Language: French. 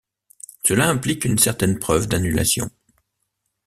Cela implique une certaine preuve d'annulation.